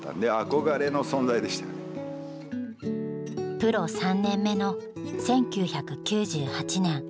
プロ３年目の１９９８年。